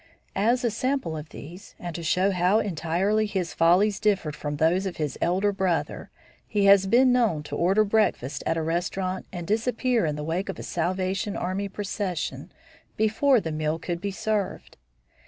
As a sample of these, and to show how entirely his follies differed from those of his elder brother, he has been known to order breakfast at a restaurant and disappear in the wake of a Salvation Army procession before the meal could be served.